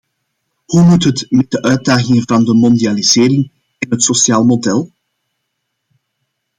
Hoe moet het met de uitdagingen van de mondialisering en het sociaal model?